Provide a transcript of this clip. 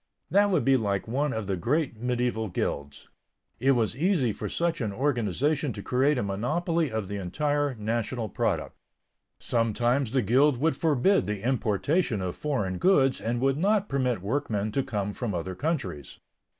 That would be like one of the great medieval guilds. It was easy for such an organization to create a monopoly of the entire national product. Sometimes the guild would forbid the importation of foreign goods and would not permit workmen to come from other countries.